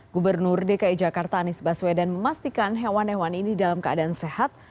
gubernur dki jakarta anies baswedan memastikan hewan hewan ini dalam keadaan sehat